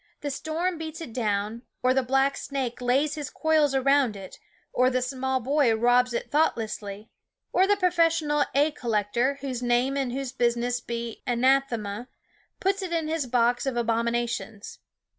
The storm beats it down ; or the black snake lays his coils around it; or the small boy robs it thoughtlessly ; or the professional egg col lector, whose name and whose business be anathema, puts it into his box of abomina tions.